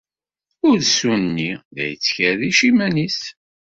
Ursu-nni la yettkerric iman-nnes.